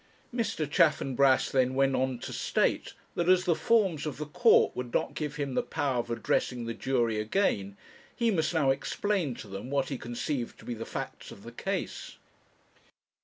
Mr. Chaffanbrass then went on to state that, as the forms of the court would not give him the power of addressing the jury again, he must now explain to them what he conceived to be the facts of the case.